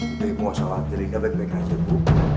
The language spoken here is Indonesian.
ibu mau selatir ika baik baik aja bu